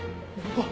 あっ。